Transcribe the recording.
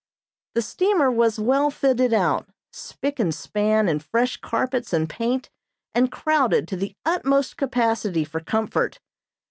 The steamer was well fitted out, spick and span in fresh carpets and paint, and crowded to the utmost capacity for comfort.